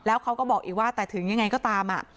แล้วเขาก็บอกอีกว่าแต่ถึงยังไงก็ตาม